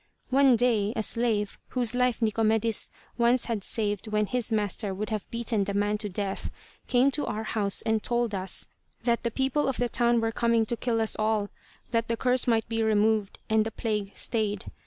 "One day a slave, whose life Nicomedis once had saved when his master would have beaten the man to death, came to our house and told us that the people of the town were coming to kill us all, that the curse might be removed and the plague stayed.